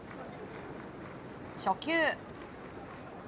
初球。